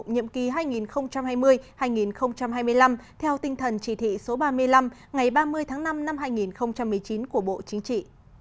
nhiệm kỳ hai nghìn hai mươi hai nghìn hai mươi năm theo tinh thần chỉ thị số ba mươi năm ngày ba mươi tháng năm năm hai nghìn một mươi chín của bộ chính trị